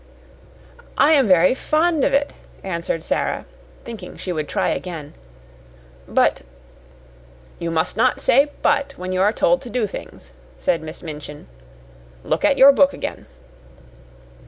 "I am very fond of it," answered Sara, thinking she would try again; "but " "You must not say 'but' when you are told to do things," said Miss Minchin. "Look at your book again."